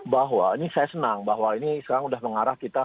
bahwa ini saya senang bahwa ini sekarang sudah mengarah kita